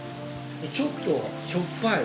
ちょっとしょっぱい。